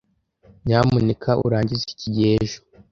Nyamuneka urangize iki gihe ejo.